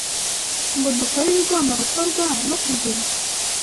ngo dukore ibigomba gukorwa no kugira